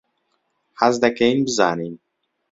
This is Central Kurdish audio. حەز دەکەین بزانین.